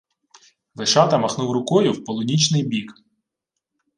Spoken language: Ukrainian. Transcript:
Вишата махнув рукою в полунічний бік.